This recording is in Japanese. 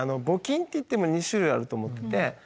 募金っていっても２種類あると思ってて。